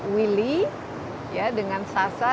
willy dengan sasa